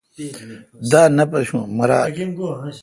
دان نہ پشو میرال۔